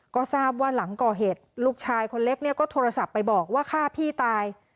ก็ทราบว่าหลังก่อเหตุลูกชายคนเล็กเนี่ยก็โทรศัพท์ไปบอกว่าฆ่าพี่ตาย